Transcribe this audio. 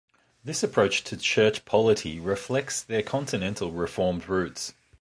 This approach to church polity reflects their continental Reformed roots.